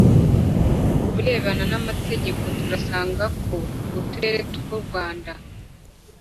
Ku birebana n’amateka turasanga ko uturere tw’u Rwanda